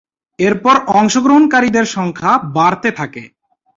এরপর অংশগ্রহণকারীদের সংখ্যা বাড়তে থাকে।